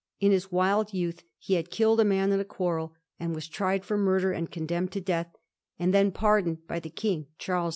In his wild youth he had killed a man in a quarrel, and was tried for murder and condemned to death, and then pardoned by the King, Charles II.